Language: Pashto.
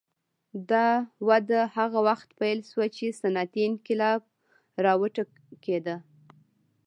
دا وده هغه وخت پیل شوه چې صنعتي انقلاب راوټوکېد.